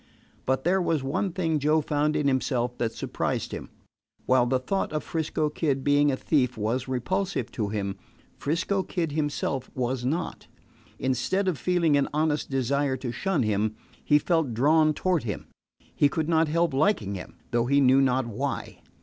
But there was one thing Joe found in himself that surprised him. While the thought of 'Frisco Kid being a thief was repulsive to him, 'Frisco Kid himself was not. Instead of feeling an honest desire to shun him, he felt drawn toward him. He could not help liking him, though he knew not why.